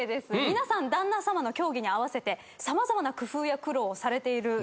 皆さん旦那さまの競技に合わせて様々な工夫や苦労をされているようなんですね。